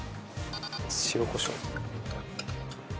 塩コショウ。